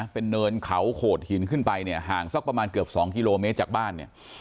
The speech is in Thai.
เป็นเนินเขาโขดหินขึ้นไปห่างประมาณเกือบ๒กิโลเมตรจากบ้าน